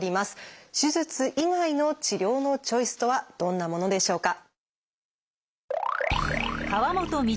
手術以外の治療のチョイスとはどんなものでしょうか？